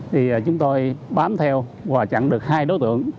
thì chúng tôi bám theo và chặn được hai đối tượng